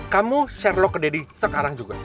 kamu share lo ke didi sekarang juga